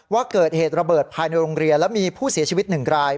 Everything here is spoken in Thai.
ว่าเกิดเหตุระเบิดภายในโรงเรียนแล้วมีผู้เสียชีวิต๑ราย